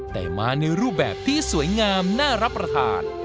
แต่มาในรูปแบบที่สวยงามน่ารับประทาน